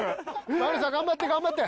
前野さん頑張って頑張って！